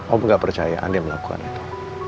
om gak percaya anda melakukan itu